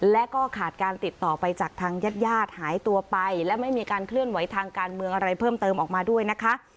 และก็ขาดการติดต่อไปจากทางญาติญาติหายตัวไปและไม่มีการเคลื่อนไหวทางการเมืองอะไรเพิ่มเติมออกมาด้วยนะคะ